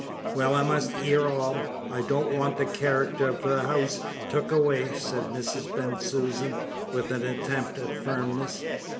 "Well, I must 'ear all. I don't want the character of the 'ouse took away," said Mrs. Bensusan, with an attempt at firmness.